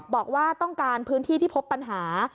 บอกว่าต้องการพื้นที่ที่พบปัญหา